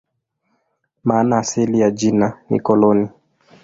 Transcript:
Maana asili ya jina ni "koloni".